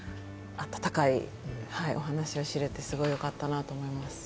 あたたかいお話を知れて、すごくよかったなと思います。